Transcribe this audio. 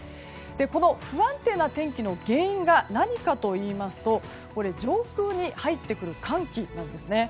この不安定な天気の原因は何かといいますと上空に入ってくる寒気なんですね。